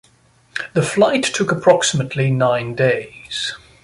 The flight took approximately nine days.